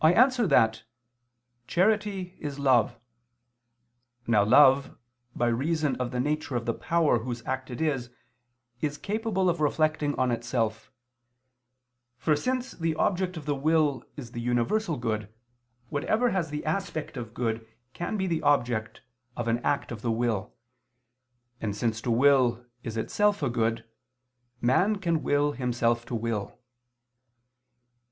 I answer that, Charity is love. Now love, by reason of the nature of the power whose act it is, is capable of reflecting on itself; for since the object of the will is the universal good, whatever has the aspect of good, can be the object of an act of the will: and since to will is itself a good, man can will himself to will.